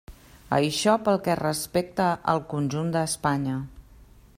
Això pel que respecta al conjunt d'Espanya.